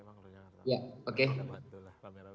assalamualaikum wr wb